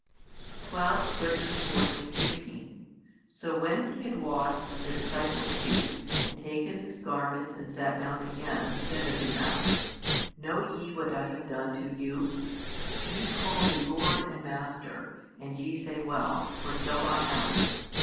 |182 12, 13, 14, 15 So when He had washed the disciples' feet, and taken His garments, and sat down again, He said unto them: Know ye what I have done to you? Ye call Me Lord, and Master: and ye say well; for so I am.